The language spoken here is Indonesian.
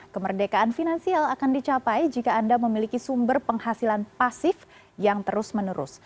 kemerdekaan finansial akan dicapai jika anda memiliki sumber penghasilan pasif yang terus menerus